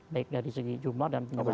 baik dari segi jumlah dan penyebaran